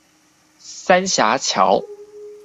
三峽橋